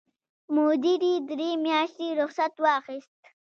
مدیرې درې میاشتې رخصت واخیست.